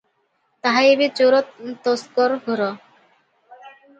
ତାହା ଏବେ ଚୋର ତସ୍କର ଘରେ ।